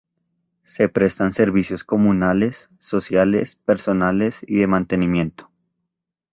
Se prestan servicios comunales, sociales, personales y de mantenimiento.